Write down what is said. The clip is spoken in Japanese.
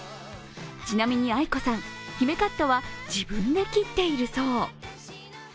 ちなみにａｉｋｏさん姫カットは自分で切っているそう。